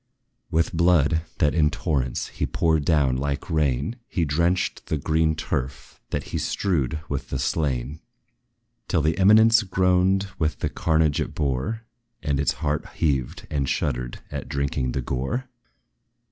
With blood, that, in torrents, he poured down like rain, He drenched the green turf, that he strewed with the slain, Till the eminence groaned with the carnage it bore, And its heart heaved and shuddered at drinking the gore.